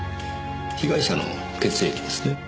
被害者の血液ですね。